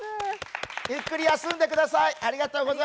ゆっくり休んでください。